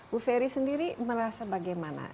bu ferry sendiri merasa bagaimana